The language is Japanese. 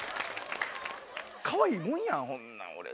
かわいいもんやんほんなら。